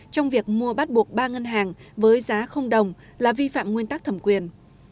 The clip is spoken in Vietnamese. trong việc mua bắt buộc ba ngân hàng với giá đồng là vi phạm nguyên tắc thẩm quyền